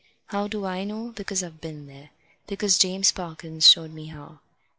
How do I know? Because I've been there. Because James Parkins showed me how."